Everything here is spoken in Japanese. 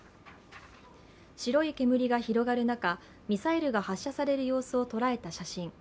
白い煙が広がる中、ミサイルが発射される様子を捉えた写真。